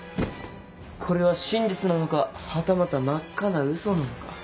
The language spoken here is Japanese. これは真実なのかはたまた真っ赤なうそなのか。